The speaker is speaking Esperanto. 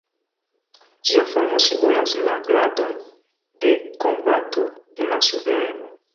Ĝia formo simbolas la gradon de kompato de la suvereno.